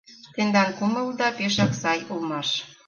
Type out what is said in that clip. Тендан кумылда пешак сай улмаш